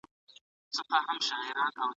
خاوند ته د خپلي ميرمني لمسول جائز دي.